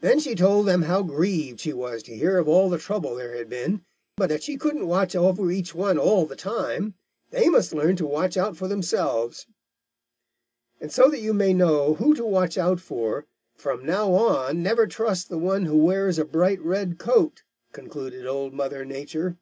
Then she told them how grieved she was to hear of all the trouble there had been, but that she couldn't watch over each one all the time; they must learn to watch out for themselves. "And so that you may know who to watch out for, from now on never trust the one who wears a bright red coat," concluded Old Mother Nature.